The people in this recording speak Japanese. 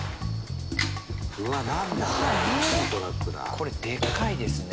これでかいですね。